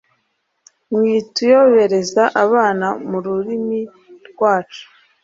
Mwituyobereza abana mu rurimi rwacu.